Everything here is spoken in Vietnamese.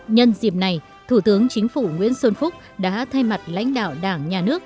nhân dịp này thủ tướng chính phủ nguyễn xuân phúc đã thay mặt lãnh đạo đảng nhà nước